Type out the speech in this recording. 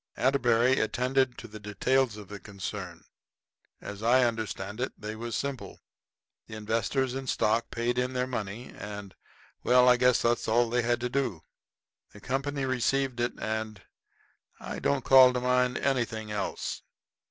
Atterbury attended to the details of the concern. As I understand it, they was simple. The investors in stock paid in their money, and well, I guess that's all they had to do. The company received it, and I don't call to mind anything else.